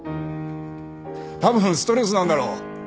たぶんストレスなんだろう。